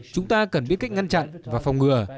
chúng ta cần biết cách ngăn chặn và phòng ngừa